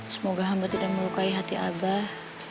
semoga hamba tidak melukai hati abah